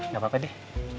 gak apa apa deh